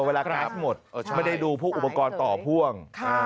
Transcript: เวลากราฟหมดไม่ได้ดูพวกอุปกรณ์ต่อพ่วง